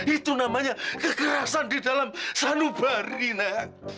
itu namanya kekerasan di dalam sanubari nak